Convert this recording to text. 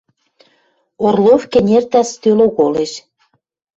Орлов кӹнертӓ стӧл оголеш.